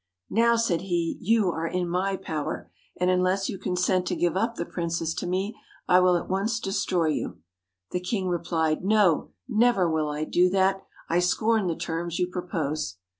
* Now,' said he, 'you are in my power ; and unless you consent to give up the princess to me, I will at once destroy you.' The king replied: 'No, never will I do that! I scorn the terms you propose.'